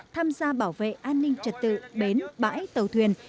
tham gia bảo vệ an ninh trật tự bến bãi tàu thuyền